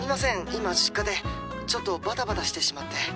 今実家でちょっとバタバタしてしまって」